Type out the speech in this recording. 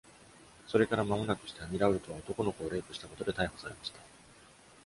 それから間もなくして、アミラウルトは男の子をレイプしたことで逮捕されました。